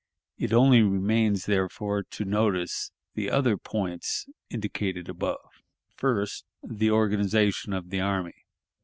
It only remains, therefore, to notice the other points indicated above: First, the organization of the army.